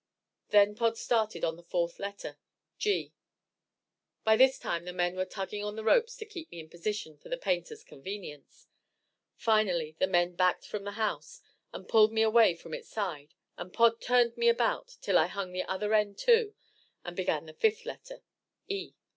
Then Pod started on the fourth letter, G. By this time the men were tugging on the ropes to keep me in position for the painter's convenience. Finally the men backed from the house and pulled me away from its side, and Pod turned me about till I hung the other end to, and began the fifth letter, E.